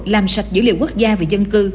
làm sạch dữ liệu quốc gia về dân cư